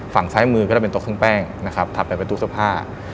ฝั่งซ้ายมือก็จะเป็นตรงขึ้นแป้งถัดไปเป็นตู้เสื้อผ้า